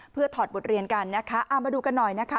เพื่อถอดบทเรียนกันนะคะเอามาดูกันหน่อยนะคะ